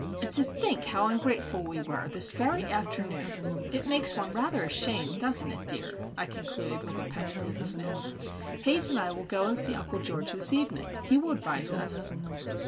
"And to think how ungrateful we were this very afternoon! It makes one rather ashamed doesn't it, dear?" I concluded, with a penitent sniff. "Haze and I will go and see Uncle George this evening. He will advise us."